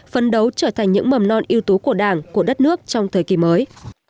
phấn đấu trở thành những mầm non yếu tố của đảng của đất nước trong thời kỳ mới